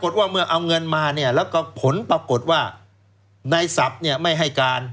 แต่ทุกคนปารับกฎว่าในสัพไม่ให้การ